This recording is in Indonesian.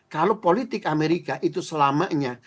kalau politik amerika itu selamanya